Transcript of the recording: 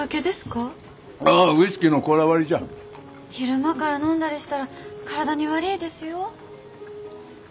昼間から飲んだりしたら体に悪いですよ。